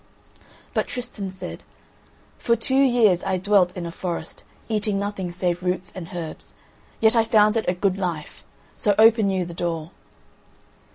But Tristan said "For two years I dwelt in a forest, eating nothing save roots and herbs; yet I found it a good life, so open you the door."